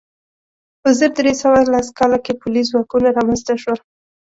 په زر درې سوه لس کال کې پولیس ځواکونه رامنځته شول.